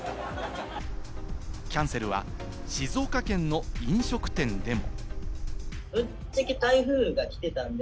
キャンセルは静岡県の飲食店でも。